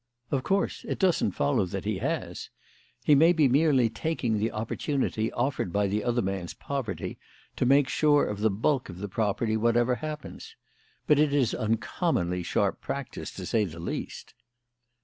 Of course it doesn't follow that he has. He may be merely taking the opportunity offered by the other man's poverty to make sure of the bulk of the property whatever happens. But it is uncommonly sharp practice, to say the least."